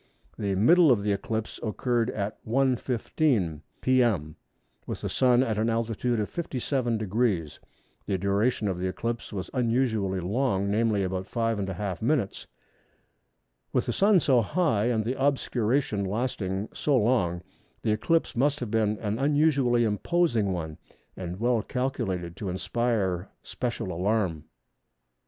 The middle of the eclipse occurred at 1h. 15m. p.m. with the Sun at an altitude of 57°. The duration of the eclipse was unusually long, namely about 5½ minutes. With the Sun so high and the obscuration lasting so long, this eclipse must have been an unusually imposing one, and well calculated to inspire special alarm.